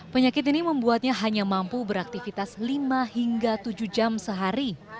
penyakit ini membuatnya hanya mampu beraktivitas lima hingga tujuh jam sehari